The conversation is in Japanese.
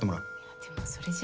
いやでもそれじゃ。